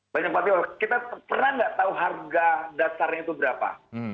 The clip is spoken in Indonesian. banyak pabrik kita pernah nggak tahu harga dasarnya itu berapa